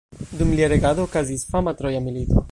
Dum lia regado okazis fama Troja milito.